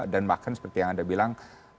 dan bahkan seperti yang anda bilang